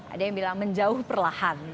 ada yang bilang menjauh perlahan